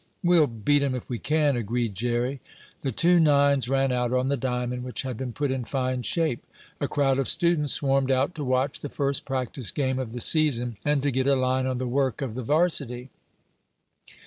"We'll beat 'em if we can," agreed Jerry. The two nines ran out on the diamond which had been put in fine shape. A crowd of students swarmed out to watch the first practice game of the season and to get a line on the work of the varsity.